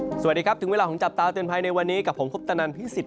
มสวัสดีครับถึงเวลาของจับตาเตือนไพรในวันนี้กับผมคพิสิษฐ